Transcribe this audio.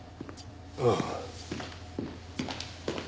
ああ。